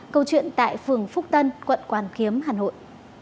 câu chuyện tại phường phúc tân quận hoàn kiếm hà nội